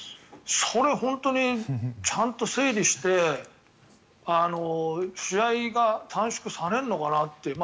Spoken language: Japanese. それは本当にちゃんと整理して試合が短縮されるのかなって。